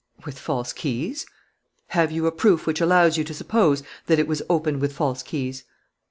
"With false keys." "Have you a proof which allows you to suppose that it was opened with false keys?"